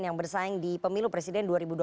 yang bersaing di pemilu presiden dua ribu dua puluh